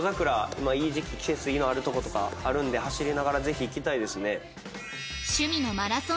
今いい時期季節いいのあるとことかあるんで走りながらぜひ行きたいですね。